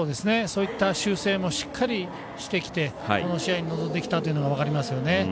そういった修正もしっかりしてきてこの試合に臨んできたということが分かりますよね。